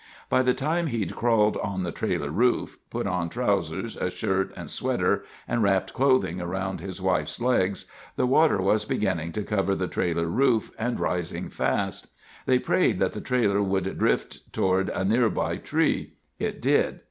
By the time he'd crawled on the trailer roof, put on trousers, a shirt and sweater, and wrapped clothing around his wife's legs, the water was beginning to cover the trailer roof and rising fast. They prayed that the trailer would drift toward a nearby tree. It did.